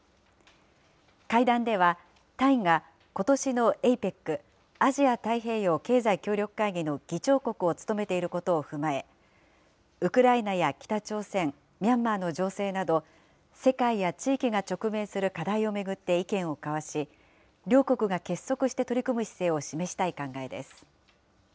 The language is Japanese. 会談では、タイがことしのＡＰＥＣ・アジア太平洋経済協力会議の議長国を務めていることを踏まえ、ウクライナや北朝鮮、ミャンマーの情勢など、世界や地域が直面する課題を巡って意見を交わし、両国が結束して取り組む姿勢を示したい考えです。